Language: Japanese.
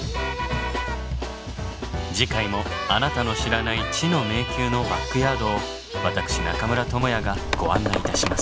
次回もあなたの知らない知の迷宮のバックヤードを私中村倫也がご案内いたします。